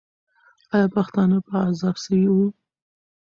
آیا پښتانه په عذاب سوي وو؟